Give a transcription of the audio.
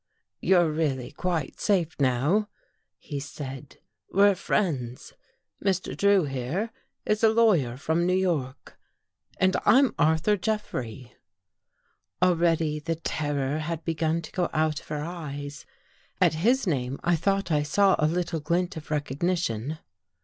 " You're really quite safe now," he said. " We're friends. Mr. Drew, here, is a lawyer from New York and I'm Arthur Jeffrey." Already the terror had begun to go out of her eyes. At his name I thought I saw a little glint of recognition.